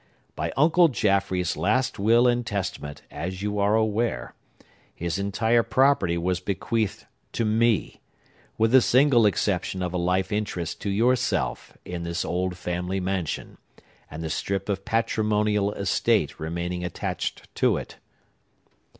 By Uncle Jaffrey's last will and testament, as you are aware, his entire property was bequeathed to me, with the single exception of a life interest to yourself in this old family mansion, and the strip of patrimonial estate remaining attached to it."